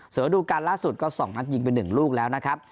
ส่วนระดูการล่าสุดก็๒นัดยิงไป๑ลูกแล้วนะครับ